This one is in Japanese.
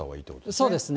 そうですね。